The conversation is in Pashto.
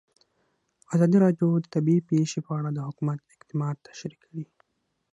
ازادي راډیو د طبیعي پېښې په اړه د حکومت اقدامات تشریح کړي.